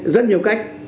rất nhiều cách